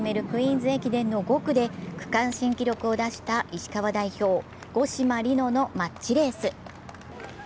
クイーンズ駅伝の５区で区間新記録を出した石川代表、五島莉乃のマッチレース。